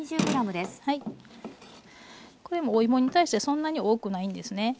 これもおいもに対してそんなに多くないんですね。